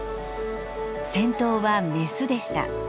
先頭はメスでした。